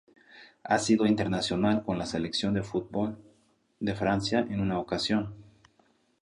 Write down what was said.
Ha sido internacional con la Selección de fútbol de Francia en una ocasión.